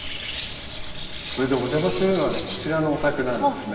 それでお邪魔するのはねこちらのお宅なんですね。